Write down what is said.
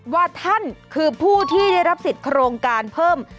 ว่าท่านคือผู้ที่ได้รับสิทธิ์โครงการเพิ่ม